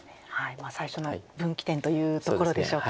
最初の分岐点というところでしょうか。